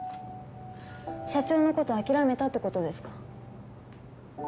社長の事諦めたって事ですか？